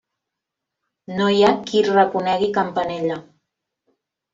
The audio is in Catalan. No hi ha qui reconegui Campanella.